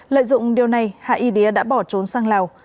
lợi dụng điều này hạ y đía đã bỏ trốn sang lào